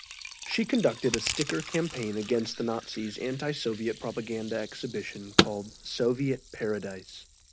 She conducted a sticker campaign against the Nazis' anti-Soviet propaganda exhibition called "Soviet Paradise".